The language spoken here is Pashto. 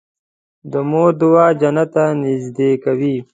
د مور دعا جنت ته نږدې کوي.